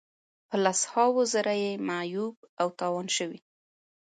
په لس هاوو زره یې معیوب او تاوان شوي.